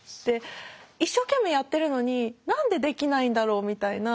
一生懸命やってるのに何でできないんだろうみたいな。